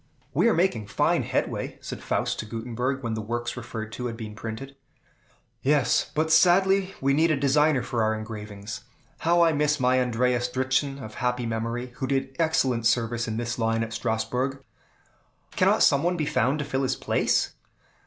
"We are making fine headway," said Faust to Gutenberg, when the works referred to had been printed. "Yes, but we sadly need a designer for our engravings. How I miss my Andreas Dritzhn, of happy memory, who did excellent service in this line at Strasbourg." "Cannot some one be found to fill his place?"